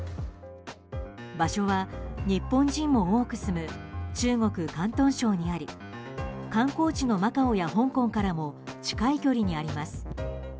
場所は日本人も多く住む中国・広東省にあり観光地のマカオや香港からも近い距離にあります。